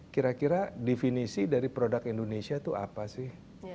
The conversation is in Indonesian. kira kira definisi dari produk indonesia itu apa sih